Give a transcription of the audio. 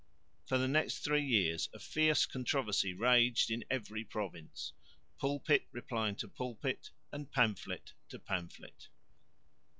For the next three years a fierce controversy raged in every province, pulpit replying to pulpit, and pamphlet to pamphlet.